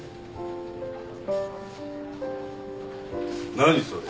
何それ。